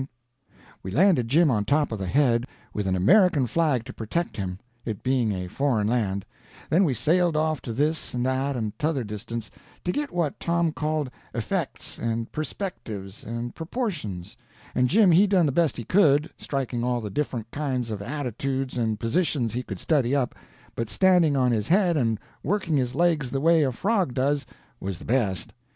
[Illustration: "Jim standing a siege"] We landed Jim on top of the head, with an American flag to protect him, it being a foreign land; then we sailed off to this and that and t'other distance, to git what Tom called effects and perspectives and proportions, and Jim he done the best he could, striking all the different kinds of attitudes and positions he could study up, but standing on his head and working his legs the way a frog does was the best.